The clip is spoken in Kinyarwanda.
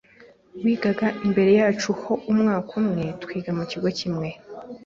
wigaga imbere yacu ho umwaka umwe, twiga ku kigo kimwe.